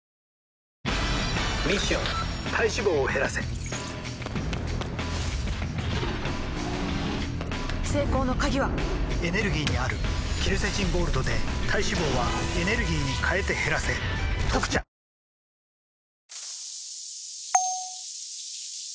ミッション体脂肪を減らせ成功の鍵はエネルギーにあるケルセチンゴールドで体脂肪はエネルギーに変えて減らせ「特茶」國村隼さん？